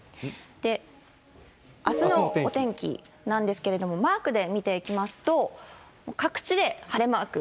あすのお天気なんですけれども、マークで見ていきますと、各地で晴れマーク。